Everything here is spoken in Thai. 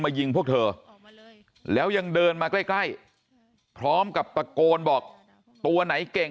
ยิงพวกเธอแล้วยังเดินมาใกล้พร้อมกับตะโกนบอกตัวไหนเก่ง